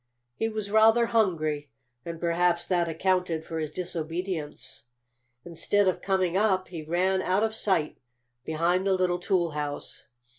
He was rather hungry, and perhaps that accounted for his disobedience. Instead of coming up he ran out of sight behind the little toolhouse.